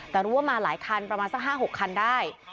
แต่รู้ว่ามาหลายคันประมาณสัก๕๖คันได้